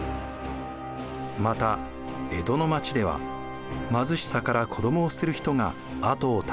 また江戸の町では貧しさから子どもを捨てる人が後を絶ちませんでした。